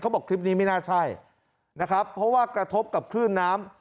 บอกคลิปนี้ไม่น่าใช่นะครับเพราะว่ากระทบกับคลื่นน้ำ